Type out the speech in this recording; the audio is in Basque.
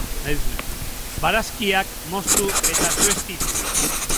Barazkiak moztu eta sueztitu.